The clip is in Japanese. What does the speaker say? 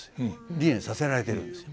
離縁させられてるんですよ